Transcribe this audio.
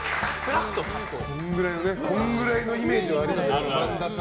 このくらいのイメージはありますよね